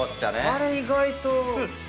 あれ意外と。